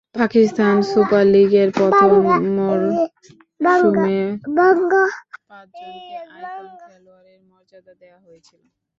Pakistan Super League এর প্রথম মরসুমে পাঁচ জনকে আইকন খেলোয়াড়ের মর্যাদা দেওয়া হয়েছিল।